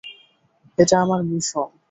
এটা আমার মিশন।